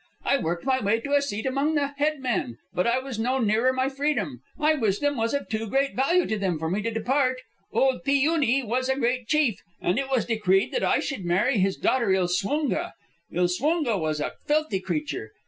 "'_I worked my way to a seat among the head men, but I was no nearer my freedom. My wisdom was of too great value to them for me to depart. .. Old Pi Une was a great chief, and it was decreed that I should marry his daughter Ilswunga. Ilswunga was a filthy creature.